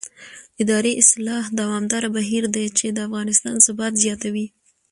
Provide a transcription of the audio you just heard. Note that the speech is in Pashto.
اداري اصلاح دوامداره بهیر دی چې د افغانستان ثبات زیاتوي